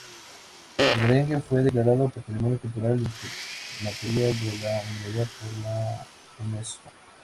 El merengue fue declarado Patrimonio Cultural Inmaterial de la Humanidad por la Unesco.